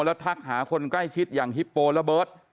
แล้วทักหาคนใกล้ชิดอย่างฮิปโประเบิด